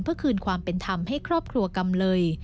เพื่อคืนความเป็นธรรมให้ครอบครัวกำเลย